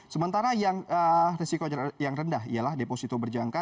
sementara yang resiko rendah ialah deposito berjangka